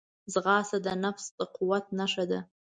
ځغاسته د نفس د قوت نښه ده